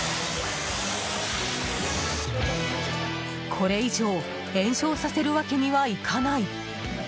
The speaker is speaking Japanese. これ以上延焼させる訳にはいかない。